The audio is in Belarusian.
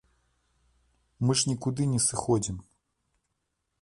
Мы ж нікуды не сыходзім!